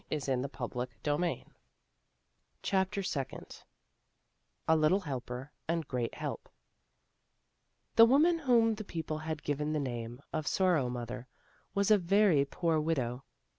A ILITTLE HELPER AND GREAT HELP CHAPTER SECOND A LITTO: HELPER AND GEEAT HELP THE woman whom the people had given the name of Sorrow mother was a very poor widow.